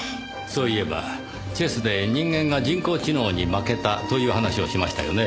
そういえばチェスで人間が人工知能に負けたという話をしましたよね。